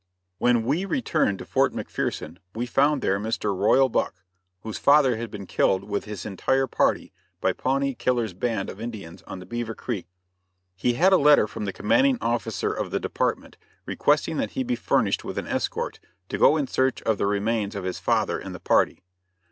When we returned to Fort McPherson we found there Mr. Royal Buck, whose father had been killed with his entire party by Pawnee Killer's band of Indians on the Beaver Creek. He had a letter from the commanding officer of the Department requesting that he be furnished with an escort to go in search of the remains of his father and the party.